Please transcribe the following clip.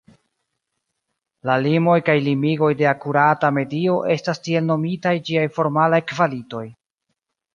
La limoj kaj limigoj de akurata medio estas tiel nomitaj ĝiaj formalaj kvalitoj.